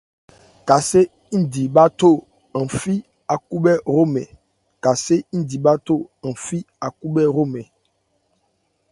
Kasé ń di bháthó an fí ákhúthé hromɛn.